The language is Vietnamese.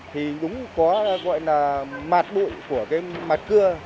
thì đúng có gọi là mạt bụi của cái mạt cưa